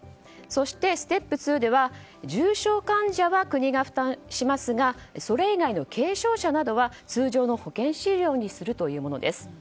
そしてステップ２では重症患者は国が負担しますがそれ以外の軽症者などは通常の保険診療にするというものです。